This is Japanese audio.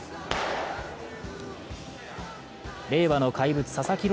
令和の怪物・佐々木朗